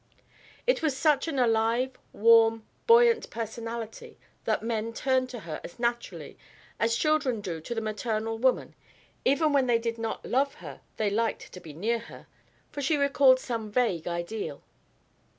It was such an alive, warm, buoyant personality that men turned to her as naturally as children do to the maternal woman; even when they did not love her they liked to be near her, for she recalled some vague ideal.